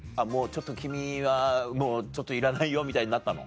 君はもうちょっといらないよみたいになったの？